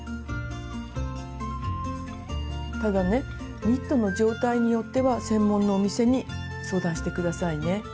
ただねニットの状態によっては専門のお店に相談して下さいね。